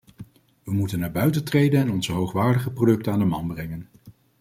We moeten naar buiten treden en onze hoogwaardige producten aan de man brengen.